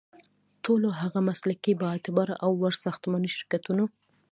ټولو هغو مسلکي، بااعتباره او وړ ساختماني شرکتونو